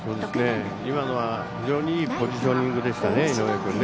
今のは非常にいいポジショニングでしたね。